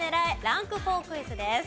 ランク４クイズです。